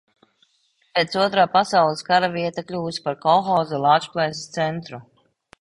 "Pēc Otrā pasaules kara vieta kļuvusi par kolhoza "Lāčplēsis" centru."